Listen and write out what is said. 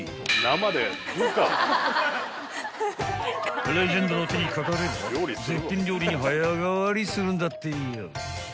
［レジェンドの手に掛かれば絶品料理に早変わりするんだってよ］